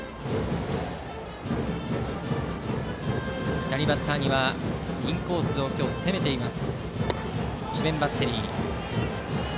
左バッターにはインコースを今日攻めています智弁バッテリー。